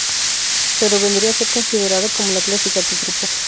Pero— vendría a ser considerada como la clásica del grupo.